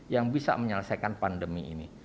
yang bisa menyelesaikan pandemi ini